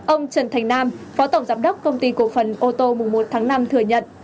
ông trần thành nam phó tổng giám đốc công ty cổ phần ô tô mùng một tháng năm thừa nhận